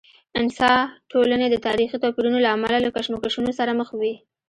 انسا ټولنې د تاریخي توپیرونو له امله له کشمکشونو سره مخ وي.